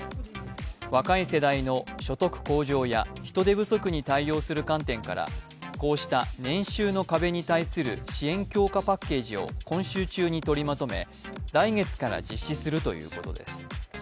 若い世代の所得向上や人手不足に対応する観点からこうした年収の壁に対する支援強化パッケージを今週中に取りまとめ、来月から実施するということです。